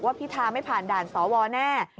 ว่าพิทาไม่ผ่านด่านสอวรแน่